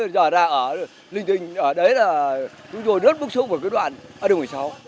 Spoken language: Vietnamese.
giờ là ở linh tinh ở đấy là đất bức xung của cái đoạn đường một mươi sáu